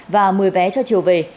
và một mươi vé cho chiều về